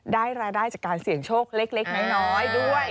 รายได้จากการเสี่ยงโชคเล็กน้อยด้วย